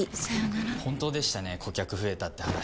本当でしたね顧客増えたって話。